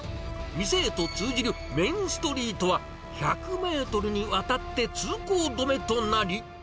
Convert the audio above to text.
店へと通じるメインストリートは、１００メートルにわたって通行止めとなり。